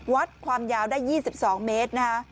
วัดความยาวได้๒๒เมตรนะคะ